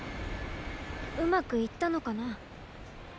うまくいったのかな？